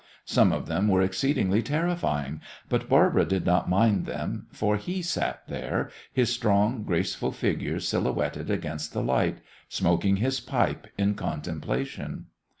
Some of them were exceedingly terrifying, but Barbara did not mind them, for he sat there, his strong, graceful figure silhouetted against the light, smoking his pipe in contemplation.